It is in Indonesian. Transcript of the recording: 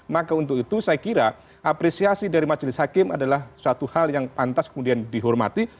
maka untuk itu saya kira apresiasi dari majelis hakim adalah suatu hal yang pantas kemudian dihormati